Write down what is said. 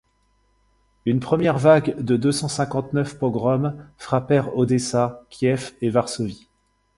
Une première vague de deux cent cinquante-neuf pogroms frappèrent Odessa, Kiev et Varsovie.